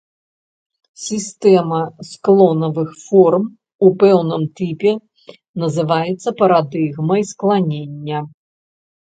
Сістэма склонавых форм у пэўным тыпе называецца парадыгмай скланення.